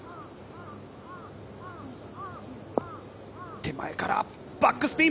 手前からバックスピン。